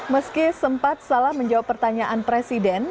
meski sempat salah menjawab pertanyaan presiden